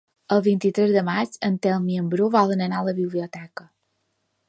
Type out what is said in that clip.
El vint-i-tres de maig en Telm i en Bru volen anar a la biblioteca.